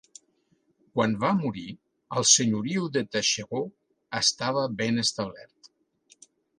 Quan va morir, el senyoriu de Taschereau estava ben establert.